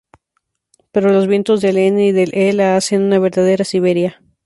Pero los vientos del N y del E la hacen una verdadera Siberia.